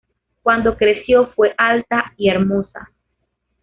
Cuando creció fue alta y hermosa.